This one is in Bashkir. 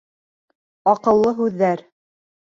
Аҡыллы һүҙҙәр.